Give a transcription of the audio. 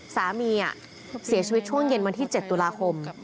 สามีเสียชีวิตช่วงเย็นวันที่๗ตุลาคม